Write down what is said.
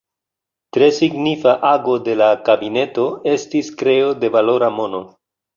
Tre signifa ago de la kabineto estis kreo de valora mono.